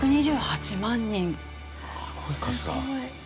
すごい数だ。